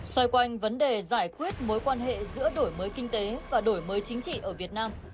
xoay quanh vấn đề giải quyết mối quan hệ giữa đổi mới kinh tế và đổi mới chính trị ở việt nam